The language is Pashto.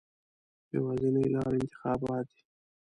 یوازینۍ لاره انتخابات دي.